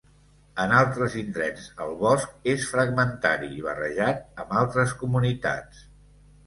En altres indrets el bosc és fragmentari i barrejat amb altres comunitats.